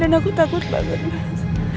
dan aku takut banget mas